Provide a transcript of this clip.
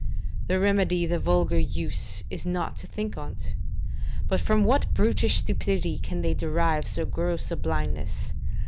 The remedy the vulgar use is not to think on't; but from what brutish stupidity can they derive so gross a blindness?